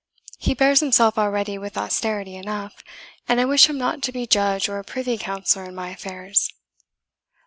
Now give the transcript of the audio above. He bears himself already with austerity enough, and I wish him not to be judge or privy councillor in my affairs."